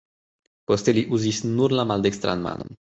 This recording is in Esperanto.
Poste li uzis nur la maldekstran manon.